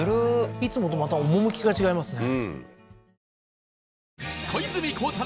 いつもとまた趣が違いますね